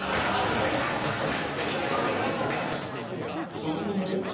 その後も